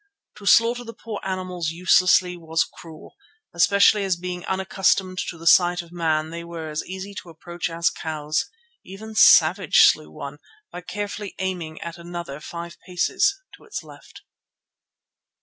To slaughter the poor animals uselessly was cruel, especially as being unaccustomed to the sight of man, they were as easy to approach as cows. Even Savage slew one—by carefully aiming at another five paces to its left.